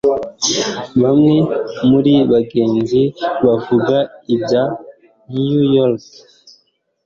Bamwe muri bagenzi bavuga ibya New York